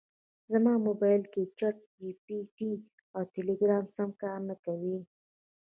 زما مبایل کې چټ جي پي ټي او ټیلیګرام سم کار نکوي